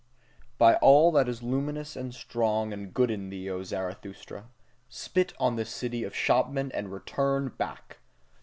By all that is luminous and strong and good in thee, O Zarathustra! Spit on this city of shopmen and return back!